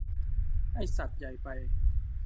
ไอ้สัส ใหญ่ไป !